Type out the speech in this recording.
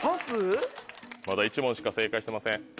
まだ１問しか正解してません。